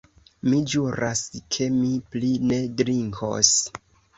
Mi ĵuras, ke mi pli ne drinkos.